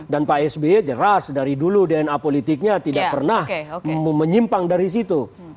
dan pak sby jelas dari dulu dna politiknya tidak pernah menyimpang dari situ